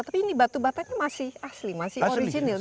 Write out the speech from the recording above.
tapi ini batu batanya masih asli masih original